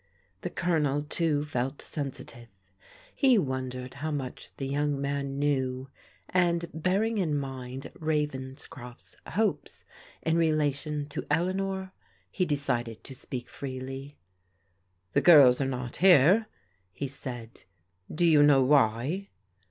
The Colonel, too, felt sensitive. He wondered how much the young man knew, and bearing in mind Ravenscroft's hopes in relation to Eleanor, he decided to speak freely. "The girls are not here," he said. "Do you know why?"